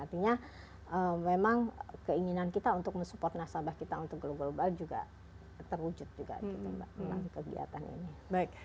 artinya memang keinginan kita untuk mensupport nasabah kita untuk global juga terwujud juga mbak